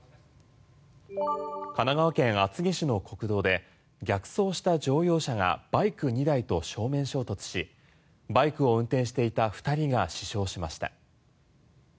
神奈川県厚木市の国道で逆走した乗用車がバイク２台と正面衝突しバイクを運転していた２人が死傷しました。